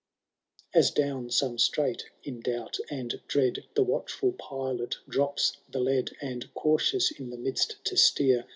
IX. As down some strait in doubt and dread The watchful pilot drops the lead. And, cautious in the midst to steer.